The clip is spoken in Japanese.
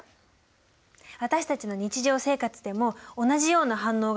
私たちの日常生活でも同じような反応が出るときってあるよね。